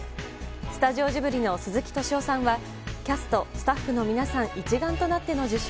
スタジオジブリの鈴木敏夫さんはキャスト、スタッフの皆さん一丸となっての受賞